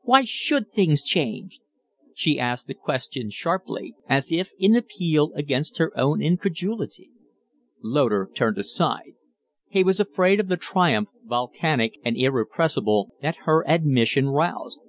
Why should things change?" She asked the question sharp. ly, as if in appeal against her own incredulity. Loder turned aside. He was afraid of the triumph, volcanic and irrepressible, that her admission roused.